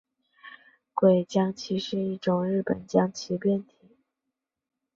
鬼将棋是一种日本将棋变体。